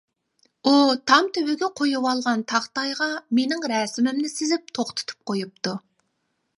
ئۇ تام تۈۋىگە قويۇۋالغان تاختايغا مىنىڭ رەسىمىمنى سىزىپ توختىتىپ قويۇپتۇ.